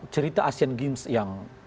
cerita asean games yang